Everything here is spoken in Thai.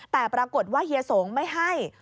แต่ปรากฏว่าเฮียสงฆ์ไม่ให้